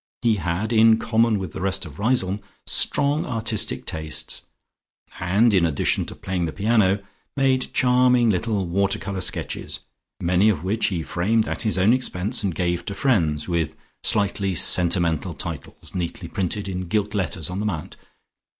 He had, in common with the rest of Riseholme, strong artistic tastes, and in addition to playing the piano, made charming little water colour sketches, many of which he framed at his own expense and gave to friends, with slightly sentimental titles, neatly printed in gilt letters on the mount.